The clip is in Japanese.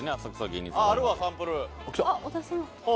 「あっ小田さん」